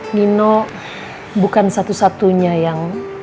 nino bukan satu satunya yang